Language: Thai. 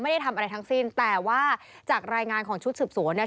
ไม่ได้ทำอะไรทั้งสิ้นแต่ว่าจากรายงานของชุดสืบสวนเนี่ย